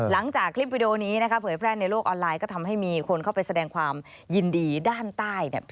หลังจากคลิปวิดีโอนี้นะคะเผยแพร่ในโลกออนไลน์ก็ทำให้มีคนเข้าไปแสดงความยินดีด้านใต้เนี่ย